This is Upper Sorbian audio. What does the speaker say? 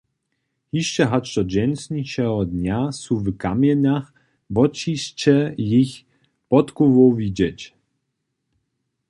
Hišće hač do dźensnišeho dnja su w kamjenjach wotćišće jich pódkowow widźeć.